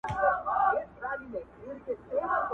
کله بیا د مارکسیستي او لیننیستي په نوم